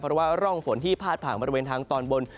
เพราะว่าร่องฝนที่พาดผ่านบริเวณทางตอนบน